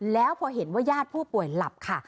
แล้วพอเห็นว่าญาติผู้ป่วยหลับค่ะ